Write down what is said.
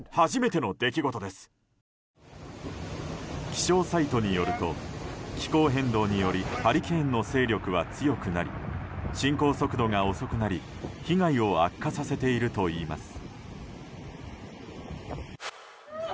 気象サイトによると気候変動によりハリケーンの勢力は強くなり進行速度が遅くなり、被害を悪化させているといいます。